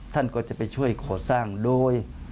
ท่านก็จะไปช่วยก่อสร้างโดย